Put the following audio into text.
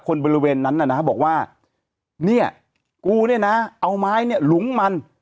บริเวณนั้นน่ะนะบอกว่าเนี่ยกูเนี่ยนะเอาไม้เนี่ยหลุมมัน